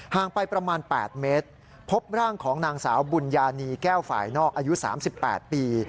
ห่างไปประมาณ๘เมตรพบร่างของนางสาวบุญญานีแก้วฝ่ายนอกอายุ๓๘ปี